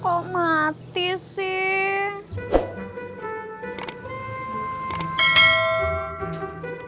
kok mati sih